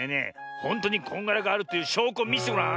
ほんとにこんがらガールというしょうこをみせてごらん。